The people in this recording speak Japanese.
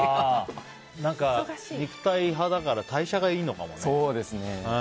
肉体派だから代謝がいいのかもね。